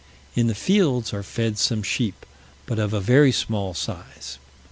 In the fields are fed some sheep, but of a very small size.